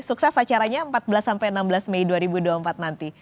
sukses acaranya empat belas sampai enam belas mei dua ribu dua puluh empat nanti